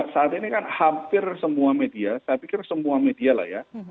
saat ini kan hampir semua media saya pikir semua media lah ya